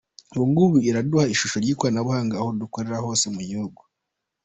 Ubungubu iraduha ishusho ry’ikoranabuhanga, aho dukorera hose mu gihugu.